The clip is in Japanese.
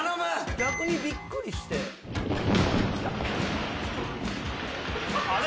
逆にびっくりしてきたあれ？